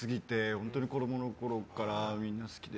本当に子供のころからみんな好きで。